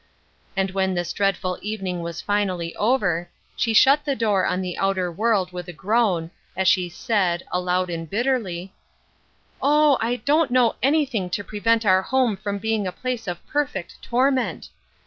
And when this dreadful evening was finally over, she shut the door on the outer world with a groan, as she said, aloud and bitterly : Her Cross Seeyis Heavy. 28 " Oh, I don't know anything to prevent our home from being a place of perfect torment